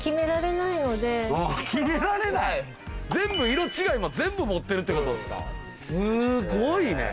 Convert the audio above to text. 色違い全部持ってるってことですか⁉すごいね！